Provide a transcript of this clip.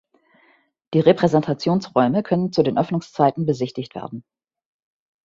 Die Repräsentationsräume können zu den Öffnungszeiten besichtigt werden.